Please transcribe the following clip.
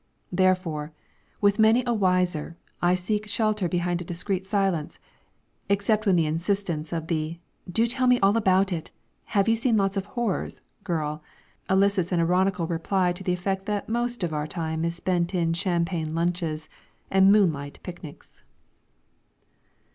Therefore, with many a wiser, I seek shelter behind a discreet silence, except when the insistence of the "Do tell me all about it! Have you seen lots of horrors?" girl elicits an ironical reply to the effect that most of our time is spent in champagne lunches and moonlight picnics.